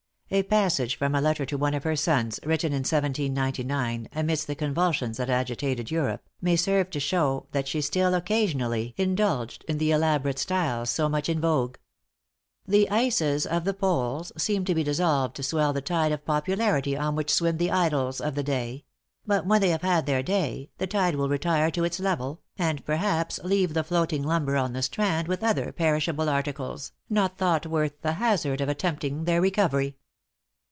A passage from a letter to one of her sons, written in 1799, amidst the convulsions that agitated Europe, may serve to show that she still occasionally indulged in the elaborate style so much in vogue: "The, ices of the Poles seem to be dissolved to swell the tide of popularity on which swim the idols of the day; but when they have had their day, the tide will retire to its level, and perhaps leave the floating lumber on the strand with other perishable articles, not thought worth the hazard of attempting their recovery."